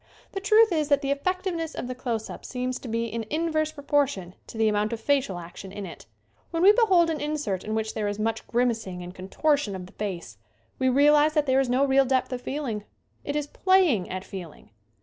The truth is that the effectiveness of the close up seems to be in inverse proportion to the amount of facial action in it. When we behold an insert in which there is much grimacing and contortion of the face we realize that there is no real depth of feeling. It is playing at feeling.